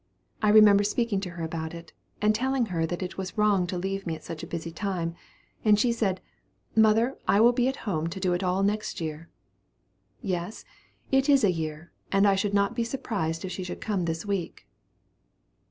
I remember speaking to her about it, and telling her that it was wrong to leave me at such a busy time, and she said, 'Mother, I will be at home to do it all next year.' Yes, it is a year, and I should not be surprised if she should come this week."